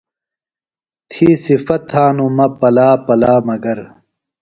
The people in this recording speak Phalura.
تھی صِفت تھانوۡ مہ پلا پلا مگر۔